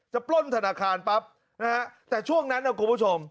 ปล้นธนาคารปั๊บนะฮะแต่ช่วงนั้นนะคุณผู้ชม